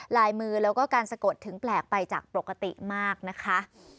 ลายมือแล้วก็การสะกดถึงแปลกไปจากปกติมากนะคะ